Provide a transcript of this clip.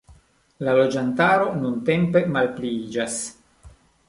La loĝantaro nuntempe malpliiĝas.